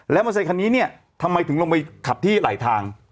มอเตอร์ไซคันนี้เนี่ยทำไมถึงลงไปขับที่ไหลทาง